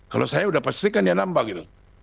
kalau saya udah pastikan dia nambah gitu